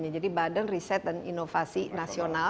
jadi badan riset dan inovasi nasional